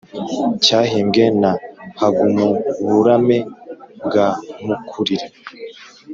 cyahimbwe na hagumuburame bwa mukurira